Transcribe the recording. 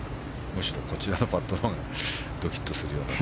むしろこちらのパットのほうがドキッとするような。